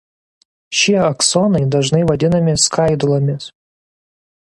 Šie aksonai dažnai vadinami „skaidulomis“.